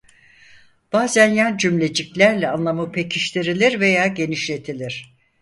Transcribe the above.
Bazen yan cümleciklerle anlamı pekiştirilir veya genişletilir.